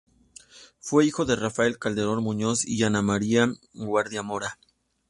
Fue hijo de Rafael Calderón Muñoz y Ana María Guardia Mora.